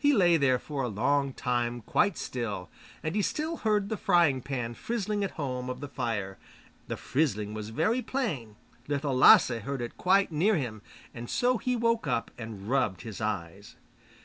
He lay there for a long time quite still, and he still heard the frying pan frizzling at home of the fire, the frizzling was very plain, Little Lasse heard it quite near him; and so he woke up and rubbed his eyes.